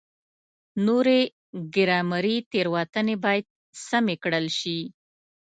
نورې ګرامري تېروتنې باید سمې کړل شي.